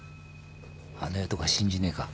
あの世とか信じねえか。